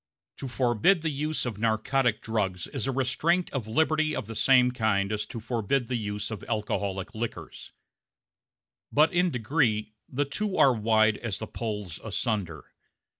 To forbid the use of narcotic drugs is a restraint of liberty of the same kind as to forbid the use of alcoholic liquors; but in degree the two are wide as the poles asunder.